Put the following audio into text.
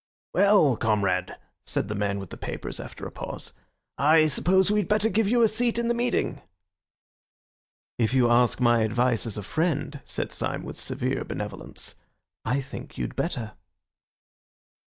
"Well, comrade," said the man with the papers after a pause, "I suppose we'd better give you a seat in the meeting?" "If you ask my advice as a friend," said Syme with severe benevolence, "I think you'd better."